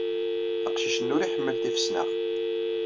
Aqcic-nni ur iḥemmel tifesnax.